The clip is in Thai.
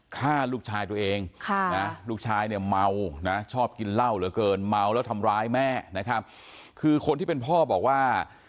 ฆ่าลูกชายตัวเองค่ะนะลูกชายเนี่ยเมานะชอบกินเหล้าเหลือเกินเมาแล้วทำร้ายแม่นะครับคือคนที่เป็นพ่อบอกว่า